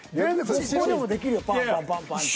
ゴボウでもできるよパンパンパンパンって。